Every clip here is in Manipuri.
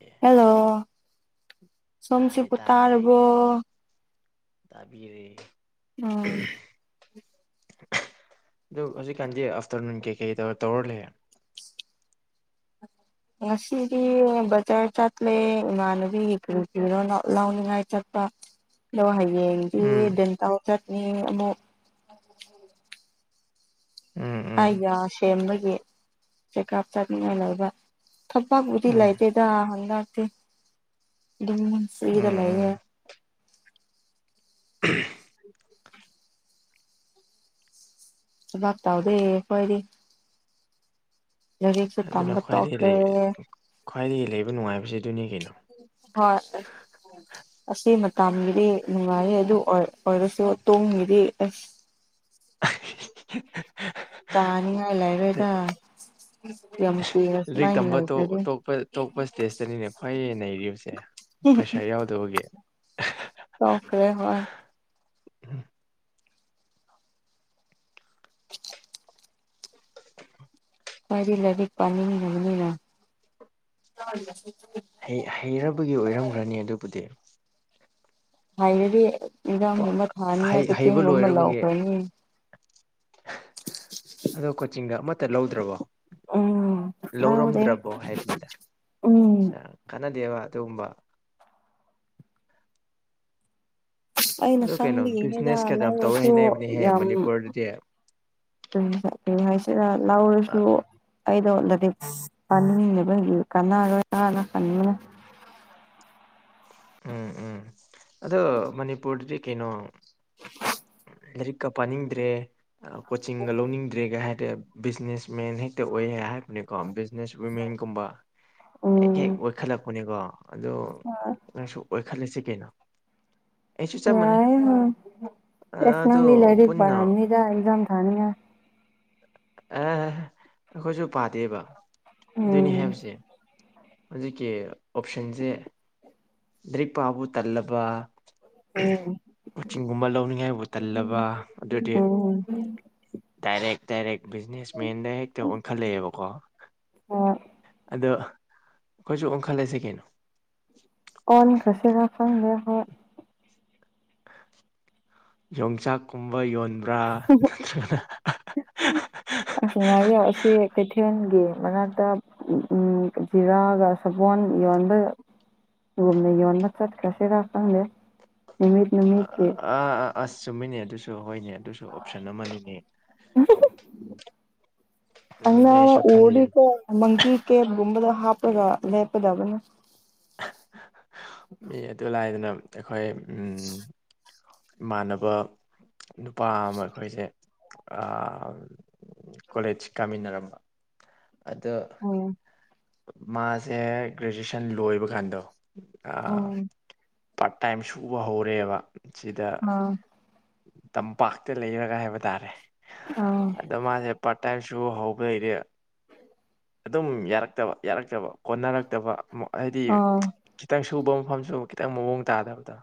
ꯑꯦ ꯍꯂꯣ ꯇꯥꯔꯦ ꯆꯝꯁꯤꯕꯨ ꯇꯥꯔꯔꯕꯣ ꯇꯕꯤ ꯎꯝ [unintelligible] ꯑꯗꯨ ꯍꯧꯖꯤꯛꯀꯥꯟꯗꯤ ꯑꯥꯐꯇꯔꯅꯨꯟ ꯀꯩꯀꯩꯗ ꯇꯧꯔ ꯂꯩ ꯉꯁꯤꯗꯤ ꯖꯥ ꯆ ꯂꯩꯃꯅꯕꯤ ꯏꯔꯣ ꯂꯥꯎꯅꯤꯡꯉꯥꯏ ꯗꯣ ꯍꯌꯦꯡꯗꯤ ꯎꯝ ꯗꯦꯟꯇꯥꯎ ꯆꯠꯅꯤ ꯑꯃꯨꯛ [unintelligible] ꯎꯝ ꯎꯝ ꯑꯣ ꯁꯦꯝꯕꯒꯤ ꯆꯦꯛꯀꯞ ꯆꯠꯅꯤꯡꯉꯥꯏ ꯂꯩꯕ ꯊꯕꯛꯕꯨꯗꯤ ꯎꯝ ꯂꯩꯇꯦꯗ ꯍꯟꯗꯛꯇꯤ ꯎꯝ ꯑꯗꯨꯟꯁꯨꯗꯂꯦ ꯎꯝ ꯥꯛ ꯇꯥꯎꯗꯦ ꯀꯣꯏꯗꯤ ꯑꯗꯨꯅ ꯇꯣꯛꯈ꯭ꯔꯦ ꯈ꯭ꯋꯥꯏꯗꯒꯤ ꯈ꯭ꯋꯥꯏꯗꯒꯤ ꯂꯩꯕ ꯅꯨꯡꯉꯥꯏꯕꯁꯤ ꯑꯗꯨꯅꯤ ꯀꯩꯅꯣ ꯍꯣꯏ ꯑꯁꯤ ꯃꯇꯝꯒꯤꯗꯤ ꯅꯨꯡꯉꯥꯏꯌꯦ ꯑꯗꯨ ꯑꯣꯏ ꯑꯣꯏꯔꯁꯨ ꯇꯣꯡꯉꯤꯗꯤ ꯑ [unintelligible] ꯇꯥꯅꯤ ꯍꯥꯏ ꯂ ꯦꯇ ꯂꯥꯏꯔꯤꯛ ꯇꯝꯕꯄ ꯂꯩꯖꯔꯤ ꯇꯣꯄ ꯏꯁꯇꯦꯖꯇꯅꯤꯅꯦ ꯈ꯭ꯋꯥꯏ ꯅꯩꯔꯤꯕꯁꯦ ꯄ꯭ꯔꯦꯁꯥꯔ ꯌꯥꯎꯗꯣ ꯍꯒꯦ ꯆꯣꯈꯔꯦ ꯍꯣꯏ ꯑ ꯀꯗꯤ ꯂꯗꯤ ꯄꯅꯤ ꯂꯅꯤꯅ ꯍꯩꯔꯕꯒꯤ ꯑꯣꯏꯔꯝꯈ꯭ꯔꯅꯤ ꯑꯗꯨꯕꯨꯗꯤ ꯍꯥꯏꯅꯗꯤ ꯏꯟꯖꯥꯡꯒꯨꯝꯕ ꯊꯥꯅꯤꯉꯥꯏ ꯍꯩ ꯍꯩꯕ ꯈꯨꯇꯦꯡꯒꯨꯝꯕ ꯂꯣꯏꯔꯕꯒꯤ ꯂꯧꯥꯎꯈ꯭ꯔꯅꯤ ꯑꯗꯣ ꯀꯣꯆꯤꯡꯒ ꯑꯃꯠꯇ ꯂꯧꯗ꯭ꯔꯕꯣ ꯎꯝ ꯂꯧꯗꯦ ꯂꯧꯔꯝꯗ꯭ꯔꯕꯣ ꯍꯥꯏꯕꯅꯤꯗ ꯎꯝ ꯑꯗꯨꯦꯕ ꯇꯕ ꯑꯩꯅ ꯁꯪꯕꯤꯉꯅꯤꯗ ꯕꯤꯖꯤꯅꯦꯁ ꯀꯌꯥꯝ ꯇꯧꯋꯦ ꯂꯥꯏꯔꯁꯨ ꯍꯥꯏꯅꯕꯅꯦꯍꯦ ꯌꯥꯝ ꯃꯅꯤꯄꯨꯔꯗꯗꯤ ꯍꯥꯏꯁꯤꯔ ꯂꯥꯎꯔꯁꯨ ꯑ- ꯂꯣꯠꯂꯗꯤ ꯄꯅꯤꯡꯅꯦ ꯑꯩꯈꯣꯏꯒꯤ ꯀꯅꯥꯒ ꯎꯝ ꯎꯝ ꯑꯗꯣ ꯃꯅꯤꯄꯨꯔꯗꯗꯤ ꯀꯩꯅꯣ [unintelligible] ꯂꯥꯏꯔꯤꯛꯀ ꯄꯥꯅꯤꯡꯗ꯭ꯔꯦ ꯀꯣꯆꯤꯡꯒ ꯂꯧꯅꯤꯡꯗ꯭ꯔꯦꯒ ꯍꯥꯏꯦ ꯕꯤꯖꯤꯅꯦꯁꯃꯦꯟ ꯍꯦꯛꯇ ꯑꯣꯏꯌꯦ ꯍꯥꯏ ꯀꯣ ꯕꯤꯖꯤꯅꯦꯁ ꯋꯤꯃꯦꯟꯒꯨꯝꯕ ꯍꯦꯛ ꯎꯝ ꯍꯦꯛ ꯑꯣꯏꯈꯠꯂꯛꯄꯅꯤꯀꯣ ꯑꯗꯣ ꯅꯪꯁꯨ ꯑꯣꯏꯈꯠꯂꯁꯤ ꯀꯩꯅꯣ ꯑꯩꯁꯨ ꯆꯞ ꯃꯥꯟꯅꯩ ꯌꯥꯏ ꯍꯣꯏ ꯑꯗꯣ ꯏꯁꯅꯒꯤ ꯂꯔꯤꯛ ꯄꯨꯟꯅ ꯔꯝꯃꯤꯗ ꯏꯖꯝ ꯊꯅꯤꯌꯥ ꯑꯦ ꯑꯩꯈꯣꯏꯁꯨ ꯄꯥꯗꯦꯕ ꯑꯗꯨꯏꯅꯤ ꯎꯝ ꯍꯥꯏꯕꯁꯦ ꯍꯧꯖꯤꯛꯀꯤ ꯑꯣꯞꯁꯟꯁꯦ ꯗ꯭ꯔꯤꯛ ꯄꯥꯕꯨ ꯇꯜꯂꯕ ꯎꯝ ꯀꯣꯆꯤꯡꯒꯨꯝꯕ ꯂꯧꯅꯤꯡꯉꯥꯏꯕꯨ ꯇꯜꯂꯕ ꯑꯗꯨꯗꯤ ꯎꯝ ꯗꯗꯥꯏꯔꯦ ꯗꯥꯏꯔꯦꯛ ꯕꯤꯖꯤꯅꯦꯁꯃꯦꯟ ꯗꯥꯏ ꯍꯦꯛꯇ ꯑꯣꯟꯈꯠꯂꯛꯑꯦꯕꯀꯣ ꯍꯣꯏ ꯑꯗꯣ ꯑꯩꯈꯣꯏꯁꯨ ꯑꯣꯡꯈꯠꯂꯁꯦ ꯀꯩꯅꯣ ꯑꯣꯟꯈꯔꯥ ꯁꯤꯔꯥ ꯈꯪꯗꯦ ꯍꯣꯏ ꯌꯣꯡꯆꯥꯛ ꯀꯨꯝꯕ ꯌꯣꯟ ꯑꯁ ꯉꯥꯏ ꯌꯥꯁ ꯀꯩꯊꯦꯜꯒꯤ ꯃꯅꯥꯛꯇ ꯖꯤꯔꯥꯒ ꯁꯥꯄꯣꯟ ꯌꯣꯟꯕ ꯌꯅ ꯌꯣꯟ ꯅ ꯆꯠ ꯀꯁꯦꯗꯥꯛꯇꯗꯦ ꯑꯥ ꯑꯥ ꯑꯁ ꯆꯨꯝꯃꯤꯅꯦ ꯑꯗꯨꯁꯨ ꯍꯣꯏꯅꯦ ꯑꯗꯨꯁꯨ ꯑꯣꯞꯁꯟ ꯑꯃꯅꯤꯅꯦ ꯑꯪꯅ ꯑꯗꯨꯗ ꯑꯩꯁꯨ ꯈꯜꯂꯤ ꯑꯣꯗꯤꯀ ꯃꯪꯤꯀꯦ ꯝꯕꯗ ꯍꯥꯄ ꯄꯒ ꯂꯦꯞꯀꯗꯧꯕꯅꯤ ꯃꯤ ꯑꯗꯨ ꯂꯥꯏꯗꯅ ꯑꯩꯈꯣꯏ ꯎ ꯏꯃꯥꯟꯅꯕ ꯅꯨꯄꯥ ꯑꯃ ꯑꯩꯈꯣꯏꯁꯦ ꯀꯣꯂꯦꯖ ꯀꯥꯃꯤꯟꯅꯔꯝꯕ ꯑꯗ ꯎꯝ ꯃꯥꯁꯦ ꯒ꯭ꯔꯦꯖꯨꯑꯦꯁꯟ ꯂꯣꯏꯕ ꯀꯥꯟꯗꯣ ꯑꯣ ꯄꯥꯔꯠ ꯇꯥꯏꯝ ꯁꯨꯕ ꯍꯧꯔꯦꯕ ꯁꯤꯗ ꯑꯥ ꯇꯝꯄꯥꯛꯇ ꯂꯩꯔꯒ ꯍꯥꯏꯕ ꯇꯥꯔꯦ ꯑꯥ ꯑꯗꯣ ꯃꯥꯁꯦ ꯇꯥꯏꯁꯨ ꯍꯧꯕ ꯂꯩꯔꯦ ꯑꯗꯨꯝ ꯌꯥꯔꯛꯇꯕ ꯌꯥꯔꯛꯇꯕ ꯀꯣꯟꯅꯔꯛꯇꯕ ꯍꯥꯏꯗꯤ ꯑꯥ ꯈꯤꯇꯪ ꯁꯨꯕ ꯃꯐꯝꯁꯨ ꯈꯤꯇꯪ ꯃꯑꯣꯡ ꯇꯥꯗꯕꯗꯣ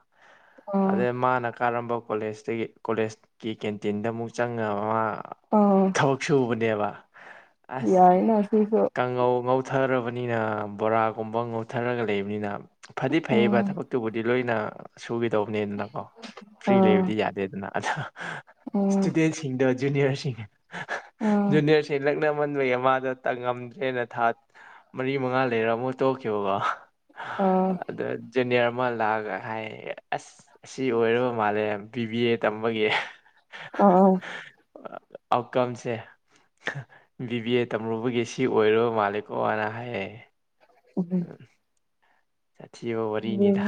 ꯑꯥ ꯑꯗꯩ ꯃꯥꯅ ꯀꯥꯔꯝꯕ ꯀꯣꯂꯦꯖꯇꯒꯤ ꯀꯣꯂꯦꯖꯀꯤ ꯀꯦꯟꯇꯤꯟꯗ ꯑꯃꯨꯛ ꯆꯪꯉ ꯃꯥ ꯑꯥ ꯊꯕꯛ ꯁꯨꯕꯅꯦꯕ ꯑꯁ ꯌꯥꯏꯅ ꯁꯤꯁꯨ ꯀꯪꯉꯧ ꯊꯔꯕꯅꯤꯅ ꯕꯣꯔꯥꯒꯨꯝꯕ ꯉꯧꯊꯔꯒ ꯂꯩꯕꯅꯤꯅ ꯐꯗꯤ ꯐꯩꯌꯦꯕ ꯎꯝ ꯊꯕꯛꯇꯨꯕꯨꯗꯤ ꯂꯣꯏꯅ ꯁꯨꯒꯗꯧꯕꯅꯤꯗꯅꯀꯣ ꯐ꯭ꯔꯤ ꯑꯥ ꯂꯩꯕꯗꯤ ꯌꯥꯗꯦꯗꯅ ꯑꯗ ꯎꯝ ꯏꯁꯇꯨꯗꯦꯟꯁꯤꯡꯗ ꯨꯅꯤꯌꯔ ꯑꯥ ꯨꯅꯤꯌꯔ ꯇꯃꯟꯕꯒꯤ ꯑꯃꯗ ꯇꯪꯉꯝꯗ꯭ꯔꯦꯅ ꯊꯥ ꯃꯔꯤ ꯃꯉꯥ ꯂꯩꯔ ꯑꯃꯨꯛ ꯇꯣꯛꯈꯤꯕꯀꯣ ꯑꯥ ꯑꯗ ꯖꯅꯤꯌꯥ ꯑꯃ ꯂꯥꯛꯑꯒ ꯍꯥꯏ ꯑꯁ ꯑꯁꯤ ꯑꯣꯏꯔꯕ ꯃꯥꯜꯂꯦ ꯕꯤ ꯕꯤ ꯑꯦ ꯇꯝꯕꯒꯤ ꯑꯥ ꯑꯥꯎꯠꯀꯝꯁꯦ ꯕꯤꯕꯤ ꯑꯦ ꯇꯝꯔꯨꯕꯒꯤ ꯁꯤ ꯑꯣꯏꯔꯣ ꯃꯥꯜꯂꯤꯛꯣꯅ ꯍꯥꯏ ꯎ ꯁꯥꯊꯤꯕ ꯋꯥꯔꯤꯅꯤꯗ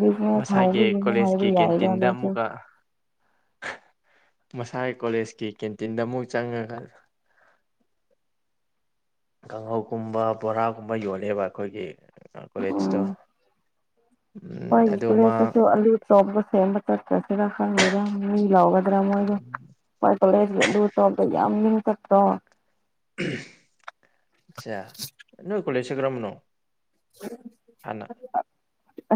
ꯕꯤꯖꯤꯅꯦꯁ ꯃꯁꯥꯒꯤ ꯍꯧꯕꯒꯤꯅꯦ ꯍꯥꯏꯕ ꯀꯣꯂꯦꯖꯀꯤ ꯌꯥꯏꯗ ꯀꯦꯟꯇꯤꯟꯗ ꯃꯥꯁꯨ ꯑꯃꯨꯛꯀ ꯑꯟꯑꯣꯗꯤꯕꯜ ꯃꯁꯥꯒꯤ ꯀꯣꯂꯦꯖꯀꯤ ꯀꯦꯟꯇꯤꯟꯗ ꯑꯃꯨꯛ ꯆꯪꯉꯒ ꯀꯥꯡꯍꯧꯒꯨꯝꯕ ꯕꯣꯔꯥꯒꯨꯝꯕ ꯌꯣꯜꯂꯦꯕ ꯑꯩꯈꯣꯏꯒꯤ ꯀꯣꯂꯦꯖꯇ ꯎꯝ ꯍꯣꯏ ꯏꯁꯨ ꯑ ꯆꯣꯕꯁ ꯁꯦꯝ ꯇꯦ ꯁꯤꯔ ꯈꯪꯗꯦꯗ ꯃꯤ ꯂꯥꯎꯒꯗ꯭ꯔꯥ ꯃꯣꯏꯗꯣꯂꯁ ꯑꯗꯨ ꯇ ꯌꯥꯝ ꯆꯠꯇꯣ ꯑꯆꯥ ꯅꯣꯏ ꯀꯣꯂꯦꯁꯒ꯭ꯔꯝꯅꯣ ꯍꯅ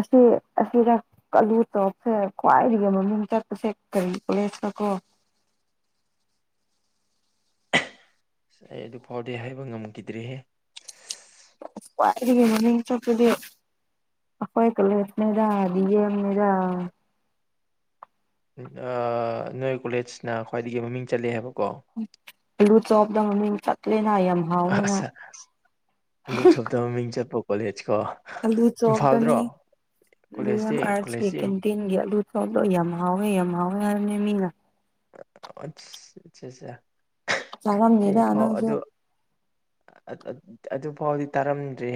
ꯑꯁꯤ ꯑꯁꯤꯗ ꯑꯥꯂꯨ ꯇꯣꯞꯁꯦ ꯈ꯭ꯋꯥꯏꯗꯒꯤ ꯃꯃꯤꯡ ꯆꯠꯄꯁꯦ ꯀꯔꯤ ꯀꯣꯂ ꯊꯀꯣ ꯑꯟꯑꯣꯗꯤꯕꯜ ꯁ ꯑꯩ ꯑꯗꯨ ꯐꯥꯎꯗꯤ ꯍꯥꯏꯕ ꯉꯝꯈꯤꯗ꯭ꯔꯦꯍꯦ ꯋꯥꯏ ꯆꯄꯗꯤ ꯑꯩꯈꯣꯏ ꯀꯂꯠꯅꯦꯗ ꯑꯅꯦꯗ ꯅꯣꯏ ꯀꯣꯂꯦꯖꯅ ꯈ꯭ꯋꯥꯏꯗꯒꯤ ꯃꯃꯤꯡ ꯆꯠꯂꯦ ꯍꯥꯏꯕ ꯍꯜꯂꯨ ꯆ ꯑꯣꯞꯗ ꯃ ꯌꯦ ꯇ ꯀꯦꯅꯥ ꯌꯥꯝ ꯍꯥꯎꯋꯦꯅ ꯑꯁ ꯑꯂꯨ ꯆꯣꯞꯇ ꯃꯃꯤꯡ ꯆꯠꯄ ꯀꯣꯂꯦꯖ ꯀꯣ ꯑꯂꯨ ꯆꯧꯅꯤ ꯏꯝꯐꯥꯜꯗ꯭ꯔꯣ ꯀꯣꯂꯦꯖꯇꯤ ꯕꯤꯦꯝ ꯑꯔ ꯀꯣꯂꯦꯖꯇꯤ ꯀꯇꯤꯟ ꯑ ꯆꯣꯂꯣ ꯌꯥꯝ ꯍꯥꯎꯋꯦ ꯌꯥꯝ ꯍꯥꯎꯋꯦ ꯍꯥꯏꯕꯅꯦ ꯃꯤꯅ ꯑ ꯑꯆꯥ ꯑꯆꯥ ꯆꯔꯝ ꯌꯦꯗꯥꯅꯁꯨꯣ ꯑꯗꯨꯐꯥꯎꯗꯤ ꯇꯥꯔꯝꯗ꯭ꯔꯦ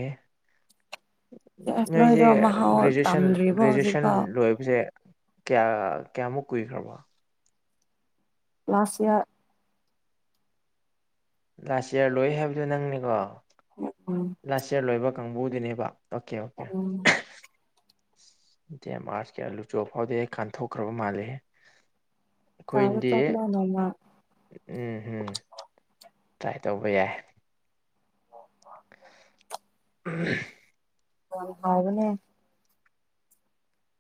ꯑꯁ ꯅꯣꯏꯁꯦ ꯅꯣꯏꯗꯣ ꯃꯍꯥꯎ ꯒ꯭ꯔꯦꯖꯨꯌꯦꯁꯟ ꯇꯝꯗ꯭ꯔꯤꯕꯣ ꯒ꯭ꯔꯦꯖꯨꯑꯦꯁꯟ ꯍꯧꯖꯤꯛꯐꯥꯎ ꯂꯣꯏꯕꯁꯦ ꯀꯌꯥ ꯀꯌꯥꯃꯨꯛ ꯀꯨꯏꯈ꯭ꯔꯕ ꯂꯥꯁꯌꯥ ꯂꯥꯁ ꯏꯌꯥꯔ ꯂꯣꯏ ꯍꯥꯏꯕꯗꯨꯣ ꯅꯪꯅꯦꯀꯣ ꯎꯝ ꯂꯥꯁ ꯏꯌꯥꯔ ꯂꯣꯏꯕ ꯀꯥꯡꯕꯨꯗꯨꯅꯦꯕ ꯑꯣꯀꯦ ꯑꯣꯀꯦ ꯎꯝ ꯗꯦ ꯃꯥꯔꯁ ꯀꯌꯥ ꯂꯨꯆꯕ ꯐꯥꯎꯗꯦ ꯀꯥꯟꯊꯣꯛꯈ꯭ꯔꯕ ꯃꯥꯜꯂꯦꯦ ꯇꯥꯔ ꯆꯥꯠꯂꯅꯃ ꯎꯝ ꯎꯝ ꯇ꯭ꯔꯥꯏ ꯇꯧꯕ ꯌꯥꯏ ꯎꯝ ꯀ ꯍꯥꯏꯕꯅꯦ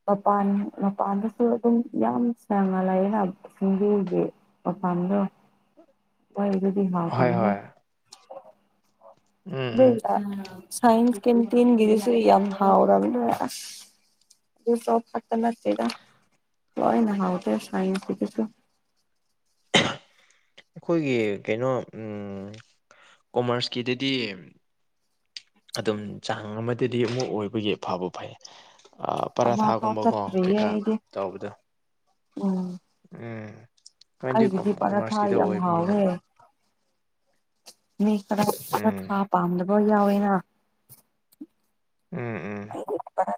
ꯃꯄꯥꯟ ꯃꯄꯥꯟꯗꯁꯨ ꯑꯗꯨꯝ ꯌꯥꯝ ꯁꯅꯂꯥꯏꯌꯦꯅ ꯐꯟꯕꯤꯒꯤ ꯐꯗꯣ ꯎꯝ ꯏꯗꯗꯤ ꯍꯥꯎ ꯇꯅꯤꯅꯦ ꯎꯝ ꯎꯝ ꯁꯥꯏꯟꯁ ꯀꯇꯤꯟ ꯔꯤꯁꯤ ꯌꯥꯝ ꯍꯥꯥꯎꯔꯗ ꯑꯗꯨ ꯁꯣꯞ ꯍꯥꯥꯛꯇꯅꯁꯤꯗ ꯂꯥꯏꯅ ꯍꯥꯎꯥꯎꯗ ꯁꯥꯏꯟꯁꯗꯁꯨ ꯑꯍ ꯑꯩꯈꯣꯏꯒꯤ ꯀꯩꯅꯣ ꯀꯣꯃꯥꯔꯁꯀꯤꯗꯗꯤ ꯑꯗꯨꯝ ꯆꯥꯡ ꯑꯃꯗꯗꯤ ꯑꯃꯨꯛ ꯑꯣꯏꯕꯒꯤ ꯐꯕ ꯐꯩ ꯑꯃꯐꯥꯎ ꯄꯔꯥꯊꯥꯒꯨꯝꯕꯀꯣ ꯆꯠꯇ꯭ꯔꯤꯌꯦ ꯀꯩꯀꯥ ꯑꯩꯗꯤ ꯇꯧꯕꯗꯣ ꯎꯝ ꯅꯣꯏꯗꯤ ꯑꯩꯒꯤꯗꯤꯄꯔ ꯊꯥ ꯀꯣꯃꯔꯁꯀꯤꯗ ꯌꯥꯝ ꯑꯣꯏꯕꯅꯤꯅ ꯍꯥꯎꯋꯦ ꯃꯤ ꯈꯔ ꯈ ꯊꯥ ꯎꯝ ꯄꯥꯝꯗꯕ ꯌꯥꯎꯦꯅ ꯎꯝ ꯎꯝ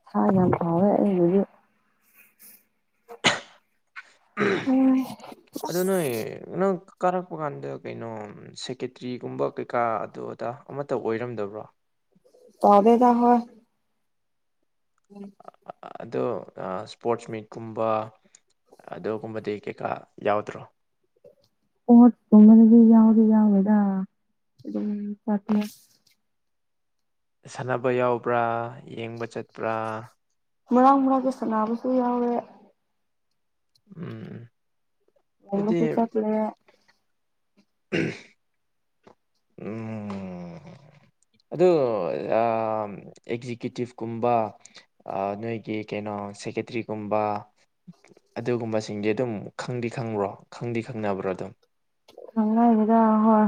ꯁꯥ ꯌꯥꯝ ꯐꯥꯎꯋꯦ ꯑꯩꯕꯨꯁꯨ ꯑꯗꯨ ꯅꯣꯏ ꯅꯪ ꯀꯥꯔꯛꯄ ꯀꯥꯟꯗ ꯀꯩꯅꯣ ꯁꯦꯀꯦꯇ꯭ꯔꯤꯒꯨꯝꯕ ꯀꯩꯀꯥ ꯑꯗꯨ ꯑꯗꯥ ꯑꯃꯠꯇ ꯑꯣꯏꯔꯝꯗꯕ꯭ꯔꯣ ꯀꯦꯗ ꯍꯣꯣꯏ ꯎꯝ ꯑꯗꯣ ꯏꯁꯄꯣꯔꯠꯁ ꯃꯤꯠꯀꯨꯝꯕ ꯑꯗꯨꯒꯨꯝꯕꯗꯤ ꯀꯩꯀꯥ ꯌꯥꯎꯗ꯭ꯔꯣ ꯍꯠ ꯇꯃꯗꯤ ꯌꯥꯎꯗꯤ ꯌꯥꯎꯗꯥ ꯁꯥꯟꯅꯕ ꯌꯥꯎꯕ꯭ꯔꯥ ꯌꯦꯡꯕ ꯆꯠꯄ꯭ꯔꯥ ꯃꯔꯥꯡ ꯃꯔꯥꯡ ꯀ ꯁꯥꯟꯕꯁꯨ ꯌꯥꯎꯔꯦ ꯎꯝ ꯎꯝ ꯌꯦꯟꯅ ꯄꯨꯨꯔꯠꯇꯇꯂꯦ ꯎꯝ ꯎꯝ ꯑꯗꯨ ꯑꯦꯛꯖꯤꯀ꯭ꯌꯨꯇꯤꯞ ꯀꯨꯝꯕ ꯅꯣꯏꯒꯤ ꯀꯩꯅꯣ ꯁꯦꯀꯦꯇꯔꯤꯒꯨꯝꯕ ꯑꯗꯨꯒꯨꯝꯕꯁꯤꯡꯗꯤ ꯑꯗꯨꯝ ꯈꯪꯗꯤ ꯈꯪꯕ꯭ꯔꯣ ꯈꯪꯗꯤ ꯈꯪꯅꯕ꯭ꯔꯣ ꯑꯗꯨꯝ ꯆꯉꯗ ꯍꯣꯏ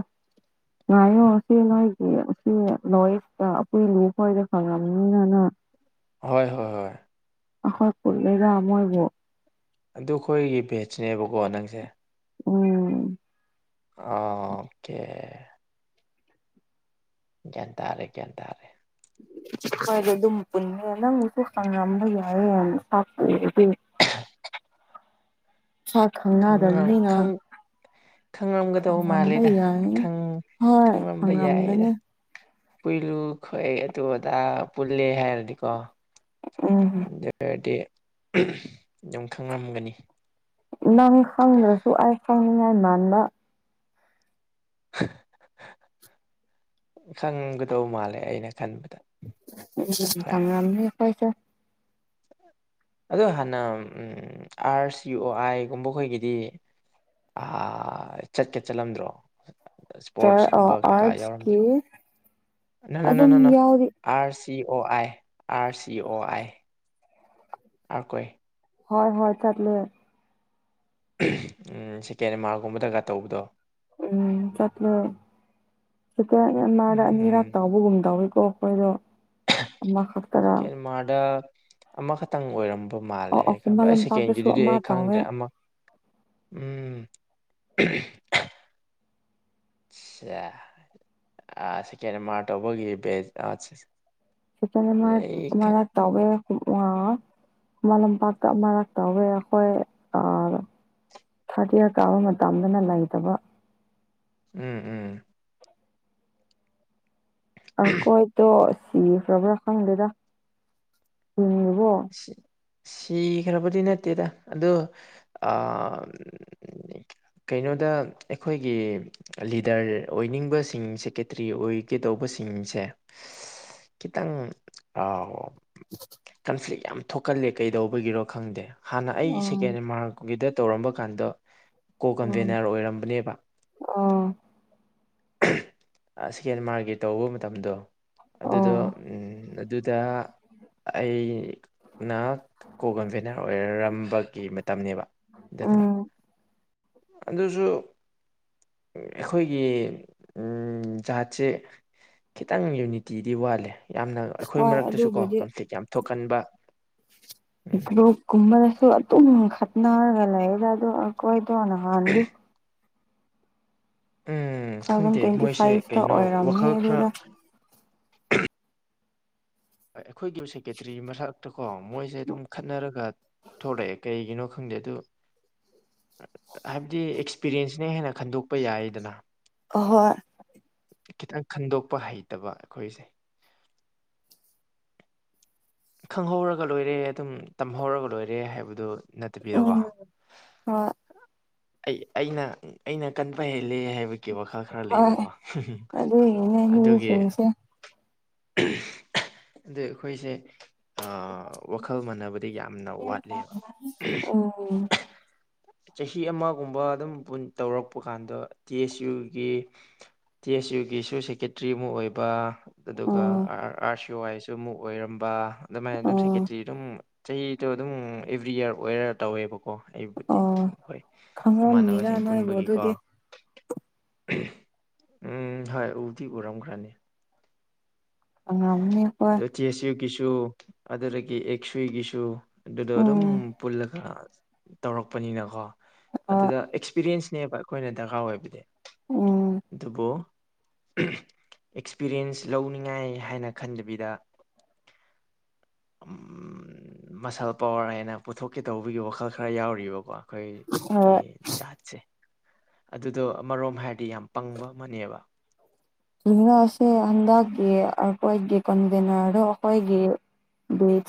ꯉꯥꯏꯌꯣ ꯁꯤ ꯅꯣꯏꯒꯤ ꯁꯤ ꯂꯣꯏꯛꯇ ꯎꯄꯨꯏ ꯂꯨ ꯈꯣꯏꯗ ꯐꯪꯉꯅꯤꯅꯅ ꯍꯣꯏ ꯍꯣꯏ ꯍꯣꯏ ꯑ ꯍꯣꯏ ꯀꯦꯔ ꯑꯃꯣꯏꯕꯨꯣ ꯑꯗꯨ ꯑꯩꯈꯣꯏꯒꯤ ꯚꯦꯖꯅꯦꯕꯀꯣ ꯅꯪꯁꯦ ꯎꯝ ꯑ ꯑꯣꯀꯦ ꯟꯇꯥꯔꯦ ꯀꯟꯇꯥꯔꯦ ꯍꯥꯏꯣꯏꯗꯤ ꯑꯗꯨꯝ ꯄꯨꯟꯅꯃꯦ ꯅꯪꯁꯨ ꯍꯪꯉꯝꯕ ꯌꯥꯏꯌꯦꯅꯥꯛꯄꯗꯤ ꯑꯍ ꯍꯥ ꯈꯪꯅꯗꯅꯤꯅ ꯈꯪꯉꯝꯒꯗꯧ ꯃꯥꯜꯂꯦꯗ ꯍꯣꯏ ꯈꯪꯂꯝꯝꯕ ꯌꯥꯏꯗ ꯈꯪꯉꯝꯒꯅꯤ ꯄꯨꯨꯂꯨ ꯈ ꯑꯩ ꯑꯗꯨ ꯑꯗꯥ ꯄꯨꯜꯂꯦ ꯍꯥꯏꯔꯗꯤꯀꯣ ꯑ ꯑꯗꯨ ꯑꯣꯏꯔꯗꯤ ꯑꯗꯨꯝ ꯈꯪꯉꯝꯒꯅꯤ ꯅꯪ ꯈꯪꯗ꯭ꯔꯁꯨ ꯑꯩ ꯈꯪꯅꯤꯉꯥꯏ ꯃꯥꯟꯕ ꯈꯪꯒꯗꯧ ꯃꯥꯜꯂꯦ ꯑꯩꯅ ꯈꯟꯕꯗ ꯎ ꯊꯃꯦꯈꯣꯏꯁ ꯑꯗ ꯍꯥꯟꯅ ꯑꯥꯔ ꯁꯤ ꯌꯨ ꯑꯣ ꯑꯥꯏꯒꯨꯝꯕꯈꯣꯏꯒꯤꯗꯤ ꯑꯥ ꯆꯠꯀꯦ ꯆꯠꯂꯝꯗ꯭ꯔꯣ꯫ ꯆꯔ ꯁ꯭ꯄꯣꯔꯠꯁ ꯑꯣ ꯀꯨꯝꯕ ꯀꯩꯀꯥ ꯑꯥꯔꯠꯁꯀꯤ ꯌꯥꯎꯔꯝꯗ꯭ꯔꯥ ꯅ ꯑꯗꯨꯝ ꯅ ꯌꯥꯎꯔꯤ ꯑꯥꯔꯠꯁ꯫ ꯁꯤ ꯑꯣ ꯑꯥꯏ ꯑꯥꯔ ꯁꯤ ꯑꯣ ꯑꯥꯏ꯫ ꯑꯈꯣꯏ꯫ ꯍꯣꯏ ꯍꯣꯏ ꯆꯠꯂ ꯎꯝ ꯁꯦꯀꯦꯟ ꯃꯥꯔꯛꯀꯨꯝꯕꯗꯒ ꯇꯧꯕꯗꯣ ꯎꯝ ꯆꯥꯠꯇ ꯆꯠꯇꯨꯔꯗ ꯑꯅꯤ ꯍꯔꯥꯛ ꯎꯝ ꯇꯥꯎꯕꯒꯨꯝ ꯇꯧꯏꯤꯀꯣ ꯑꯩꯈꯣꯏꯅ ꯀꯦꯟꯃꯥꯔꯗ ꯑꯃꯈꯛꯇꯪ ꯑꯣꯏꯔꯝꯕ ꯑꯣ ꯃꯥꯜꯂꯦ ꯑꯣ ꯑꯩ ꯈꯪꯕ ꯈꯨꯃꯟ ꯑꯩ ꯂꯝꯄꯥꯛꯇꯁꯨ ꯁꯦꯀꯦꯟꯒꯤꯗꯨꯗꯤ ꯑꯃ ꯑꯩ ꯇꯧꯋꯦ ꯈꯪꯗ꯭ꯔꯦ ꯑꯃꯛ ꯎꯝ ꯑ ꯁꯦꯀꯦꯟ ꯃꯥꯔꯠꯕꯒꯤ ꯦ ꯁꯤꯇꯦ ꯃꯥꯔ ꯇꯃꯦ ꯑ ꯂꯝꯄꯥꯛꯇ ꯃꯔꯛ ꯇꯧꯋꯦ ꯑꯩꯈꯣꯏ ꯑ ꯊꯥꯔꯠ ꯏꯌꯥꯔ ꯀꯥꯕ ꯃꯇꯝꯗꯅ ꯂꯩꯇꯕ ꯎꯝ ꯎꯝ ꯑꯈꯣꯏ ꯇꯣ ꯁꯤ ꯐ꯭ꯔꯕ꯭ꯔ ꯈꯪꯗꯗ ꯎ [inaudible] ꯁꯤꯈ꯭ꯔꯕꯨꯗꯤ ꯅꯠꯇꯦꯗ ꯑꯗꯣ ꯑ ꯀꯩꯅꯣꯗ ꯑꯩꯈꯣꯏꯒꯤ ꯂꯤꯗꯔ ꯑꯣꯏꯅꯤꯡꯕꯁꯤꯡ ꯁꯦꯀꯦꯇ꯭ꯔꯤ ꯑꯣꯏꯒꯦ ꯇꯧꯕ ꯁꯤꯡꯁꯦ ꯈꯤꯇꯪ [inaudible] ꯀꯟꯐ꯭ꯂꯤꯛ ꯌꯥꯝ ꯊꯣꯛꯀꯜꯂꯦ ꯀꯩꯗꯧꯕꯒꯤꯔꯣ ꯈꯪꯗꯦ ꯍꯥꯟꯅ ꯑꯩ ꯁꯦꯀꯦꯟ ꯎꯝ ꯃꯥꯔꯛꯀꯤꯗ ꯇꯧꯔꯝꯕ ꯀꯥꯟꯗ ꯀꯣ ꯎꯝ ꯀꯟꯚꯦꯅꯔ ꯑꯣꯏꯔꯝꯕꯅꯦꯕ ꯑꯣ ꯁ ꯍꯦꯟ ꯃꯥꯔꯒꯤꯦ ꯇꯧꯕ ꯃꯇꯝꯗꯣ ꯑꯗꯨꯗꯣ ꯑꯣ ꯎꯝ ꯑꯗꯨꯗ ꯑꯩꯅ ꯀꯣ ꯀꯟꯚꯦꯅꯔ ꯑꯣꯏꯔꯔꯝꯕꯒꯤ ꯇꯝꯅꯦꯕ ꯑꯗꯨꯗꯨꯅ ꯎꯝ ꯑꯗꯨꯁꯨ ꯑꯩꯈꯣꯏꯒꯤ ꯖꯍꯥꯠꯁꯦ ꯈꯤꯇꯪ ꯌꯨꯅꯤꯇꯤꯗꯤ ꯋꯥꯠꯂꯦ ꯌꯥꯝꯅ ꯑꯩꯈꯣꯏ ꯍꯣꯏ ꯃꯔꯛꯇꯁꯨ ꯀꯣ ꯀꯝꯐ꯭ꯂꯤꯛ ꯌꯥꯝ ꯊꯣꯛꯀꯟꯕ ꯎꯝ ꯏ꯭ꯔꯣꯛ ꯀꯨꯝꯕꯗꯁꯨ ꯑꯗꯨꯝ ꯈꯠꯅꯔꯒ ꯂꯩꯗ ꯑ ꯑꯩꯣꯏ ꯊꯣꯅ ꯍꯥꯗꯤ꯫ ꯎꯝ ꯇꯨ ꯊꯥꯎꯖꯟ ꯈꯪꯗꯦ ꯇ꯭ꯋꯦꯟꯇꯤ ꯃꯣꯏꯁꯦ ꯐꯥꯏꯚꯇ ꯀꯩꯅꯣ ꯑꯣꯏꯔꯝꯅꯤ ꯋꯥꯈꯜ ꯑꯗꯨ ꯈꯔ ꯑꯩꯈꯣꯏꯒꯤ ꯁꯦꯀꯦꯇꯔꯤ ꯃꯔꯛ ꯑ ꯀꯣ ꯃꯣꯏꯁꯦ ꯑꯗꯨꯝ ꯈꯠꯅꯔꯒ ꯊꯣꯛꯂꯛꯑꯦ ꯀꯩꯒꯤꯅꯣ ꯈꯪꯗꯦ ꯑꯗꯨ ꯍꯥꯏꯕꯗꯤ ꯑꯦꯛꯁꯄꯤꯔꯤꯌꯦꯟꯁꯅ ꯍꯦꯟꯅ ꯈꯟꯗꯣꯛꯄ ꯌꯥꯏꯗꯅ ꯍꯣꯏ ꯈꯤꯇꯪ ꯈꯟꯗꯣꯛꯄ ꯍꯩꯇꯕ ꯑꯩꯈꯣꯏꯁꯦ ꯈꯪꯍꯧꯔꯒ ꯂꯣꯏꯔꯦ ꯑꯗꯨꯝ ꯇꯝꯍꯧꯔꯒ ꯂꯣꯏꯔꯦ ꯍꯥꯏꯕꯗꯨ ꯅꯠꯇꯄꯤ ꯀꯣ ꯎꯝ ꯍꯣꯏ ꯑꯩ ꯑꯩꯅ ꯑꯩꯅ ꯀꯟꯕ ꯍꯦꯜꯂꯦ ꯍꯥꯏꯕꯒꯤ ꯀꯤ ꯋꯥꯈꯜ ꯈꯔ ꯍꯣꯏ ꯂꯩꯕꯀꯣ ꯎ ꯑꯗꯨꯒꯤꯅꯦ ꯑꯗꯨꯒꯤ ꯃꯤꯁꯤꯡꯁꯦ ꯑꯗꯨ ꯑꯩꯈꯣꯏꯁꯦ ꯋꯥꯈꯜ ꯃꯥꯟꯅꯕꯗꯤ ꯌꯥꯝꯅ ꯋꯥꯠꯂꯤꯕ ꯎꯝ ꯆꯍꯤ ꯑꯃꯒꯨꯝꯕ ꯑꯗꯨꯝ ꯇꯧꯔꯛꯄ ꯀꯥꯟꯗ ꯇꯤ ꯑꯦꯁ ꯌꯨꯒꯤ ꯇꯤ ꯑꯦꯁ ꯌꯨꯒꯤꯁꯨ ꯁꯦꯀꯦꯇ꯭ꯔꯤ ꯑꯃ ꯑꯣꯏꯕ ꯑꯗꯨꯒ ꯎꯝ ꯑꯥꯔ ꯁꯤ ꯑꯣ ꯑꯥꯏꯁꯨ ꯑꯃꯨꯛ ꯑꯣꯏꯔꯝꯕ ꯑꯗꯨꯃꯥꯏꯅ ꯑꯗꯨꯝ ꯎꯝ ꯁꯦꯀꯦꯇ꯭ꯔꯤ ꯑꯗꯨꯝ ꯆꯍꯤꯗꯣ ꯑꯗꯨꯝ ꯑꯦꯕ꯭ꯔꯤ ꯏꯔ ꯑꯣꯏꯔ ꯇꯧꯋꯦꯕꯀꯣ ꯑꯩꯕꯨꯗꯤ ꯑꯣ ꯍꯣꯏ ꯈꯪꯉꯝꯅꯤꯗ ꯏꯃꯥꯟꯅꯕꯁꯤꯡ ꯅꯣꯏꯕꯨ ꯄꯨꯟꯕꯒꯤꯀꯣ ꯑꯗꯨꯗꯤ ꯎꯝ ꯍꯣꯏ ꯎꯗꯤ ꯎꯔꯝꯈ꯭ꯔꯅꯤ ꯎꯝ ꯑ ꯆꯦꯁ ꯌꯨꯒꯤꯁꯨ ꯑꯗꯨꯗꯒꯤ ꯑꯦꯛꯁꯋꯤꯒꯤꯁꯨ ꯑꯗꯨꯗꯣ ꯑꯗꯨꯝ ꯎꯝ ꯄꯨꯜꯂꯒ ꯇꯧꯔꯛꯄꯅꯤꯅꯀꯣ ꯍꯣꯏ ꯑꯗꯨꯗ ꯑꯦꯛꯁꯄꯤꯔꯤꯌꯦꯟꯁ ꯅꯦꯕ ꯑꯩꯈꯣꯏꯅ ꯗꯔꯀꯥꯔ ꯑꯣꯏꯕꯗꯤ ꯎꯝ ꯑꯗꯨꯕꯨ ꯑꯦꯛꯁꯄꯤꯔꯤꯌꯦꯟꯁ ꯂꯧꯅꯤꯡꯉꯥꯏ ꯍꯥꯏꯅ ꯈꯟꯗꯕꯤꯗ ꯎꯝ ꯃꯁꯜ ꯄꯋꯥꯔ ꯍꯥꯏꯅ ꯄꯨꯊꯣꯛꯀꯦ ꯇꯧꯕꯒꯤ ꯋꯥꯈꯜ ꯈꯔ ꯌꯥꯎꯔꯤꯕꯀꯣ ꯈꯣꯏ ꯀ ꯍꯣꯏ ꯌꯥꯁ ꯑꯗꯨꯗꯣ ꯑꯃꯔꯣꯝ ꯍꯥꯏꯔꯗꯤ ꯌꯥꯝ ꯄꯪꯕ ꯑꯃꯅꯦꯕ ꯅꯥ ꯑꯁ ꯍꯗꯥꯛꯒꯦ ꯀꯣꯏꯒꯦ ꯀꯟꯚꯦꯅꯔ ꯑꯩꯈꯣꯏꯒꯦ ꯑꯟꯏꯟꯇꯦꯜꯂꯤꯖꯦꯕꯜ